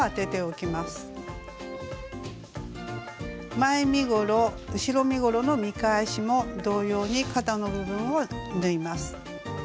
前身ごろ後ろ身ごろの見返しも同様に肩の部分を縫います。